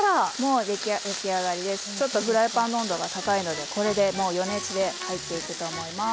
ちょっとフライパンの温度が高いのでこれで余熱で入っていくと思います。